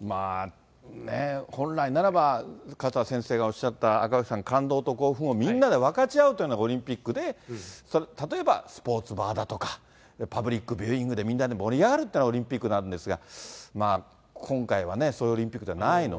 まあ、ね、本来ならば勝田先生がおっしゃった赤星さん、感動と興奮をみんなで分かち合うというのがオリンピックで、例えばスポーツバーだとか、パブリックビューイングでみんなで盛り上がるっていうのがオリンピックなんですが、今回はそういうオリンピックではないので。